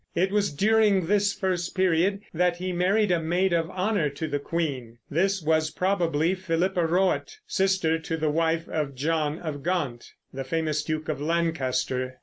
It was during this first period that he married a maid of honor to the queen. This was probably Philippa Roet, sister to the wife of John of Gaunt, the famous Duke of Lancaster.